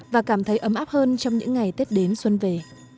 và cảm thấy ấm áp hơn trong những ngày tết đến xuân về